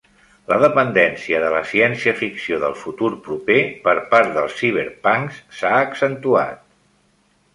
La dependència de la ciència ficció del futur proper per part del ciberpunk s'ha accentuat.